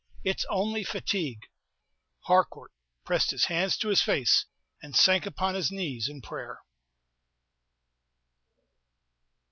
it's only fatigue!" Harcourt pressed his hands to his face, and sank upon his knees in prayer.